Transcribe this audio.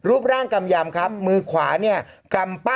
โอเคโอเคโอเคโอเคโอเค